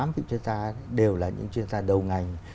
một mươi tám vị chuyên gia đều là những chuyên gia đầu ngành